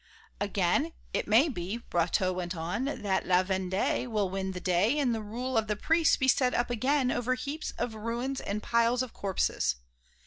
"Again it may be," Brotteaux went on, "that La Vendée will win the day and the rule of the priests be set up again over heaps of ruins and piles of corpses.